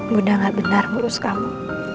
buddha gak benar ngurus kamu